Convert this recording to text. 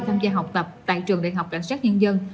tham gia học tập tại trường đại học cảnh sát nhân dân